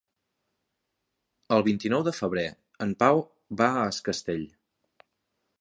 El vint-i-nou de febrer en Pau va a Es Castell.